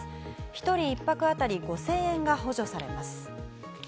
一人１泊あたり５０００円が補助されます。